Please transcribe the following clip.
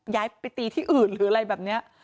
ย้ายไปตีที่อื่นหรืออะไรแบบนี้